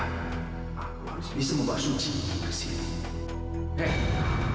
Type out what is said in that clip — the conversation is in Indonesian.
aku harus bisa membawa subsidi ke sini